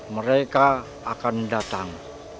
mereka akan datang